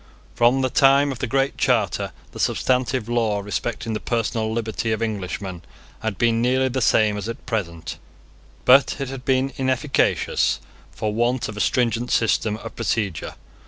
From the time of the Great Charter the substantive law respecting the personal liberty of Englishmen had been nearly the same as at present: but it had been inefficacious for want of a stringent system of procedure.